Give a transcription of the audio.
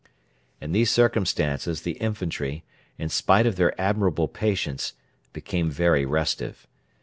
In these circumstances the infantry, in spite of their admirable patience, became very restive.